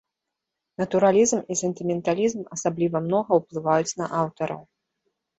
Натуралізм і сентыменталізм асабліва многа ўплываюць на аўтараў.